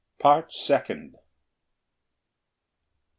PART SECOND. I.